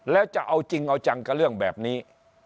แล้วจะเอาจริงเอาจังกับเรื่องแบบนี้